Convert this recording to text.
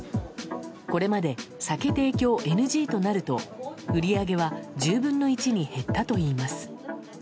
これまで、酒提供ＮＧとなると売り上げは１０分の１に減ったといいます。